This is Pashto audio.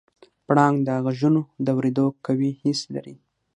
پړانګ د غږونو د اورېدو قوي حس لري.